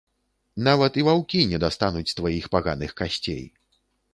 Нават і ваўкі не дастануць тваіх паганых касцей.